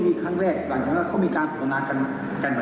สนทนากันมากกว่าเดิมก็มีการเรียกมุ้งเรียกเมียอะไรขึ้นมา